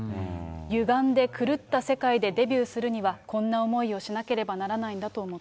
ゆがんで狂った世界でデビューするには、こんな思いをしなければならないんだと思った。